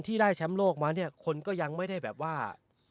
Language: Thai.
ได้แชมป์โลกมาเนี่ยคนก็ยังไม่ได้แบบว่า